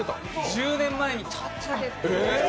１０年前にちょっとだけ。